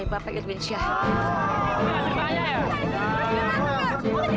jangan kesan di warah lagi